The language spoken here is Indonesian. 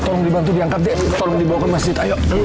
tolong dibawa ke masjid